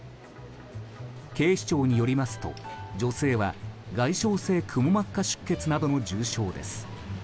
警視庁によりますと女性は外傷性くも膜下出血などの重傷です。